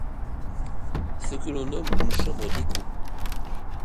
Ce que l’on nomme une chambre d’écho.